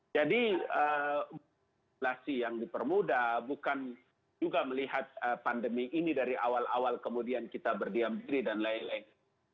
jadi regulasi yang dipermudah bukan juga melihat pandemi ini dari awal awal kemudian kita berdiam diri dan lain lain